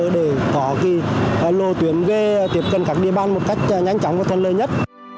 để có cái lô tuyển về tiếp cận các địa bàn một cách nhanh chóng và thân lợi nhất